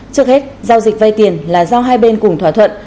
trước hết giao dịch vay tiền là do hai bên cùng thỏa thuận